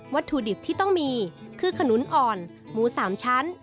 ถุดิบที่ต้องมีคือขนุนอ่อนหมู๓ชั้น